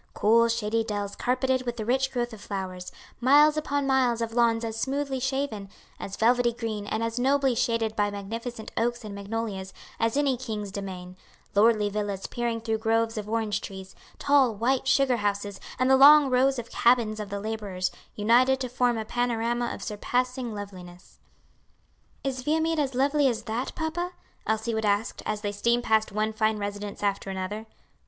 Cool shady dells carpeted with the rich growth of flowers, miles upon miles of lawns as smoothly shaven, as velvety green and as nobly shaded by magnificent oaks and magnolias, as any king's demesne; lordly villas peering through groves of orange trees, tall white, sugar houses and the long rows of cabins of the laborers; united to form a panorama of surpassing loveliness. "Is Viamede as lovely as that, papa?" Elsie would ask, as they steamed past one fine residence after another.